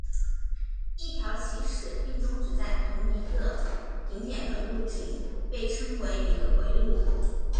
一条起始并终止在同一个顶点的路径被称为一个回路。